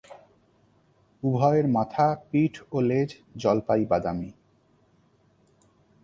উভয়ের মাথা, পিঠ ও লেজ জলপাই-বাদামি।